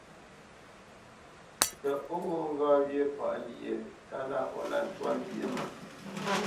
Tə ó ghó ŋgá wyé sə̂ páʼ lyé kalá o lǎ ntwá nzyěʼ mə?